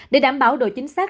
để đảm bảo độ chính xác